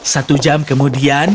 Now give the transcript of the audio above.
satu jam kemudian